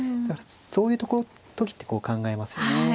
そういう時って考えますよね。